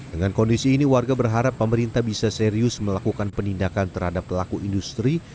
dengan kondisi ini warga berharap pemerintah bisa serius melakukan penindakan terhadap pelaku industri